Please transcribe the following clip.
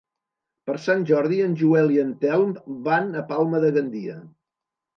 Per Sant Jordi en Joel i en Telm van a Palma de Gandia.